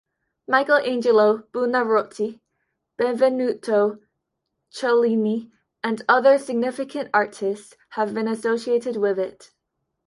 Michelangelo Buonarroti, Benvenuto Cellini and other significant artists have been associated with it.